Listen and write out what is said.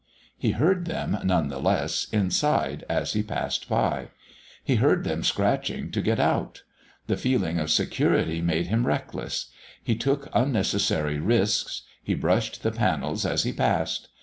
He heard them, none the less, inside, as he passed by; he heard them scratching to get out. The feeling of security made him reckless; he took unnecessary risks; he brushed the panels as he passed.